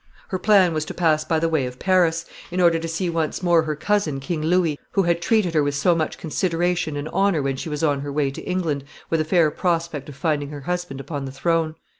Her plan was to pass by the way of Paris, in order to see once more her cousin, King Louis, who had treated her with so much consideration and honor when she was on her way to England with a fair prospect of finding her husband upon the throne.